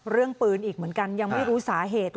เรื่องปืนอีกเหมือนกันยังไม่รู้สาเหตุ